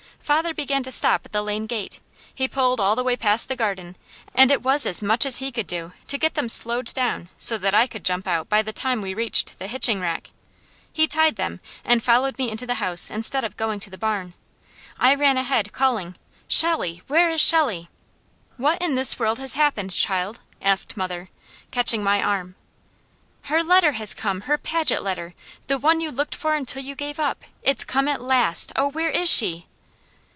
Father began to stop at the lane gate, he pulled all the way past the garden, and it was as much as he could do to get them slowed down so that I could jump out by the time we reached the hitching rack. He tied them, and followed me into the house instead of going to the barn. I ran ahead calling: "Shelley! Where is Shelley?" "What in this world has happened, child?" asked mother, catching my arm. "Her letter has come! Her Paget letter! The one you looked for until you gave up. It's come at last! Oh, where is she?"